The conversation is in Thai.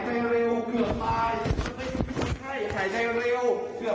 เกือบตายถึงมาได้เอาไว้ธรรมดานิดนึงมาไม่ได้หรือเปล่า